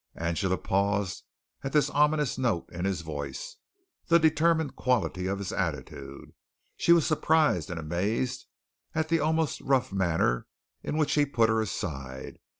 Angela paused at the ominous note in his voice, the determined quality of his attitude. She was surprised and amazed at the almost rough manner in which he put her aside.